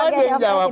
jadi keluarga jokowi